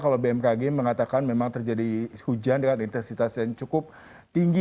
kalau bmkg mengatakan memang terjadi hujan dengan intensitas yang cukup tinggi